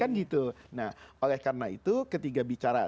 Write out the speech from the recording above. nah oleh karena itu ketika bicara